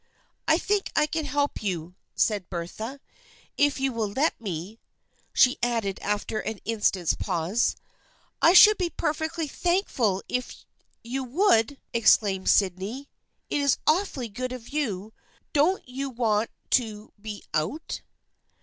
" I think I can help you," said Bertha. " If you will let me," she added after an instant's pause. " I should be perfectly thankful if you would !" THE FRIENDSHIP OF ANNE 805 exclaimed Sydney. "It is awfully good of you. Don't you want to be out